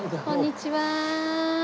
こんにちは。